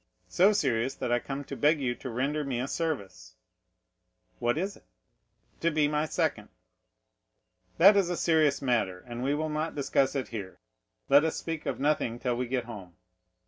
"So serious, that I come to beg you to render me a service." "What is it?" "To be my second." "That is a serious matter, and we will not discuss it here; let us speak of nothing till we get home.